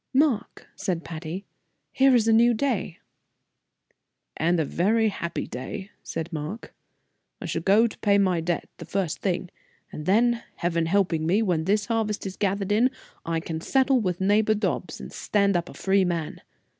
"Mark," said Patty, "here is a new day." "And a very happy day," said Mark. "I shall go pay my debt the first thing; and then, Heaven helping me, when this harvest is gathered in, I can settle with neighbor Dobbs and stand up a free man.